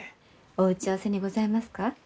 お打ち合わせにございますか？